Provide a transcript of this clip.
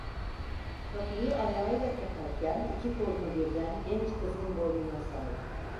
Kapıyı ayağıyla kaparken iki kolunu birden genç kızın boynuna sardı: